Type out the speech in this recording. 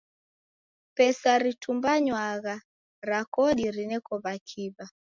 Pesa ritumbanywagha ra kodi rineko w'akiw'a.